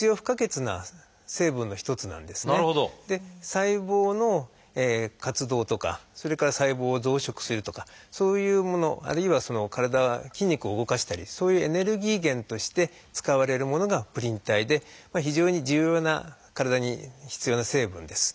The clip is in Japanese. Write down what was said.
細胞の活動とかそれから細胞を増殖するとかそういうものあるいは筋肉を動かしたりそういうエネルギー源として使われるものがプリン体で非常に重要な体に必要な成分です。